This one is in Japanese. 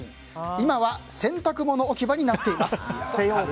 今は洗濯物置き場になっています。